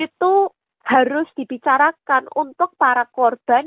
itu harus dibicarakan untuk para korban